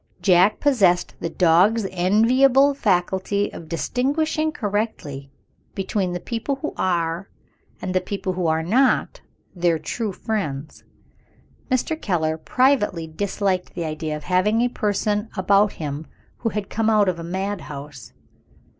Jack possessed the dog's enviable faculty of distinguishing correctly between the people who are, and the people who are not, their true friends. Mr. Keller privately disliked the idea of having a person about him who had come out of a madhouse.